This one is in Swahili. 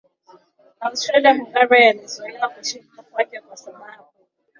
na Austria Hungaria yaliyozuia kushindwa kwake kwa sababu